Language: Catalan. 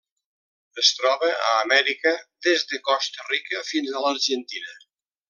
Es troba a Amèrica: des de Costa Rica fins a l'Argentina.